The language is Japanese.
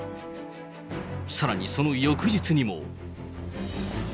さらに、その翌日にも。